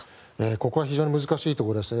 ここは非常に難しいところですね。